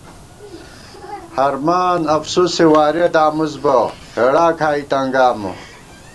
ہرمان افسُوسےوارِیَہ دامُس بہ، ہېڑا کھائی تنگامہ